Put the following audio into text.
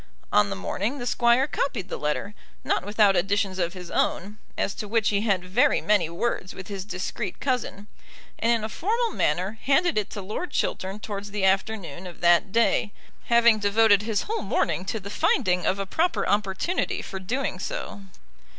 On the morning the Squire copied the letter, not without additions of his own, as to which he had very many words with his discreet cousin, and in a formal manner handed it to Lord Chiltern towards the afternoon of that day, having devoted his whole morning to the finding of a proper opportunity for doing so.